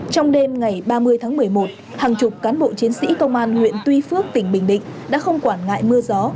trong đêm ngày ba mươi tháng một mươi một hàng chục cán bộ chiến sĩ công an huyện tuy phước tỉnh bình định đã không quản ngại mưa gió